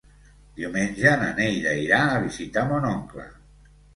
Diumenge na Neida irà a visitar mon oncle.